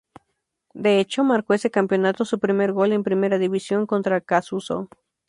De hecho, marcó ese campeonato su primer gol en Primera división contra Acassuso.